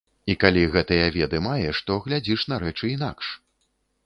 І калі гэтыя веды маеш, то глядзіш на рэчы інакш.